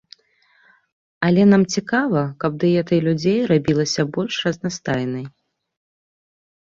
Але нам цікава, каб дыета людзей рабілася больш разнастайнай.